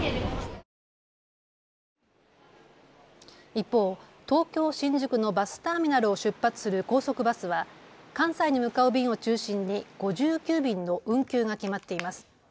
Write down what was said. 一方、東京新宿のバスターミナルを出発する高速バスは関西に向かう便を中心に５９便の運休が決まっています。